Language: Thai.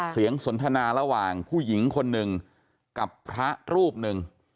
สนทนาระหว่างผู้หญิงคนหนึ่งกับพระรูปหนึ่ง